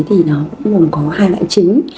thì nó cũng có hai loại chính